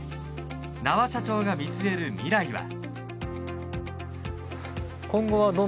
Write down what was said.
那波社長が見据える未来は。